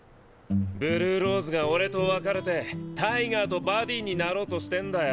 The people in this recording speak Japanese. ブルーローズが俺と別れてタイガーとバディになろうとしてんだよ。